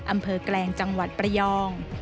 อำเภอแกลงจังหวัดประยอง